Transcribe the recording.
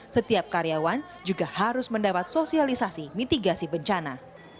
setiap karyawan juga harus mendapat sosialisasi mitigasi bencana